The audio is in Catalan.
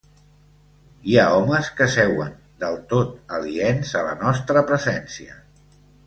Hi ha homes que seuen, del tot aliens a la nostra presència.